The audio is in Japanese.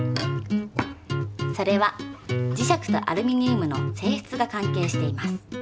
それは磁石とアルミニウムのせいしつが関係しています。